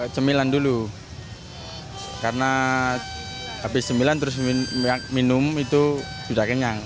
cemilan dulu karena habis sembilan terus minum itu sudah kenyang